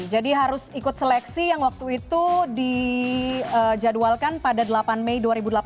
jadi harus ikut seleksi yang waktu itu dijadwalkan pada delapan mei dua ribu delapan belas